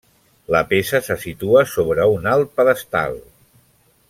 La peça se situa sobre un alt pedestal.